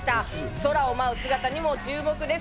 空を舞う姿にも注目です。